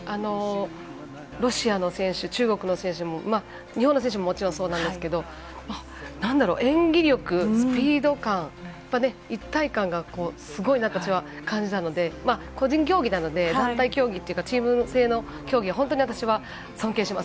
ロシアの選手、中国の選手も日本の選手ももちろんそうですけれど、演技力、スピード感、一体感がすごいなって私は感じたので、個人競技なのでチーム制の競技は、本当に私は尊敬します。